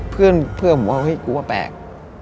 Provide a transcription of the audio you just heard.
เพื่อนผมว่ากลัวแปลก